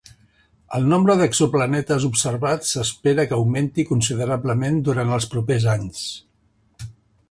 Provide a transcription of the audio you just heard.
El nombre d'exoplanetes observats s'espera que augmenti considerablement durant els propers anys.